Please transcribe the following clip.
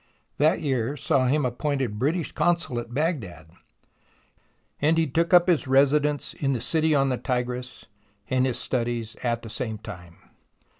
That year saw him appointed British Consul at Baghdad, and he took up his residence in the city on the Tigris and his studies at the same time.